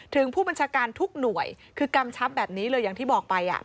ถึงผู้บัญชาการทุกหน่วยคือกำชับแบบนี้เลยอย่างที่บอกไป